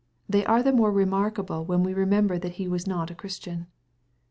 They are the more remark able when we remember that^he ,was not a Ghristidn.